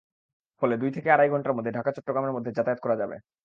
ফলে দুই থেকে আড়াই ঘণ্টার মধ্যে ঢাকা-চট্টগ্রামের মধ্যে যাতায়াত করা যাবে।